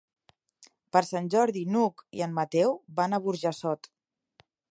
Per Sant Jordi n'Hug i en Mateu van a Burjassot.